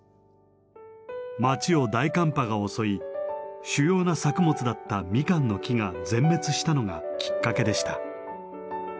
町を大寒波が襲い主要な作物だったミカンの木が全滅したのがきっかけでした。